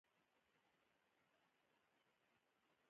ویده خوب د هیلې بڼه لري